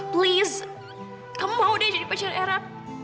please kamu mau deh jadi pecel era